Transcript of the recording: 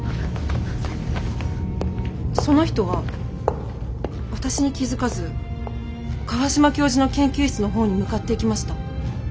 その人は私に気付かず川島教授の研究室のほうに向かっていきました。